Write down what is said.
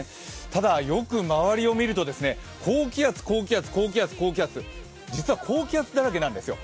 ただ、よく周りを見ると高気圧、高気圧、高気圧、高気圧実は高気圧だらけなんですよ。